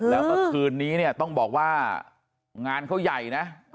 แล้วก็คืนนี้เนี้ยต้องบอกว่างานเขาใหญ่นะอ๋อ